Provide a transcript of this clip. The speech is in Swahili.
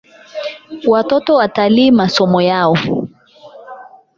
Watoto watalii masomo yao